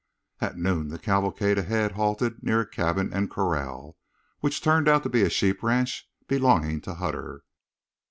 At noon the cavalcade ahead halted near a cabin and corral, which turned out to be a sheep ranch belonging to Hutter.